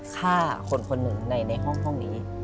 ฆ่าคนคนหนึ่งในห้องนี้